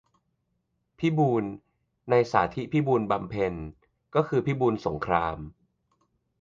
"พิบูล" ใน "สาธิตพิบูลบำเพ็ญ" ก็คือ พิบูลสงคราม